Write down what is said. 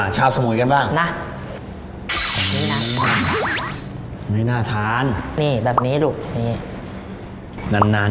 ชาวสมุยกันบ้างน่ะไม่น่าทานนี่แบบนี้ลูกนี่นาน